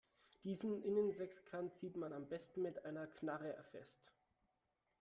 Diesen Innensechskant zieht man am besten mit einer Knarre fest.